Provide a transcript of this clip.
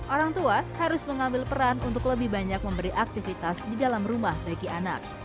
orang tua harus mengambil peran untuk lebih banyak memberi aktivitas di dalam rumah bagi anak